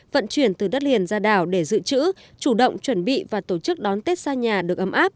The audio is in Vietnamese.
vận chuyển từ đất liền ra đảo để dự trữ chủ động chuẩn bị và tổ chức đón tết xa nhà được ấm áp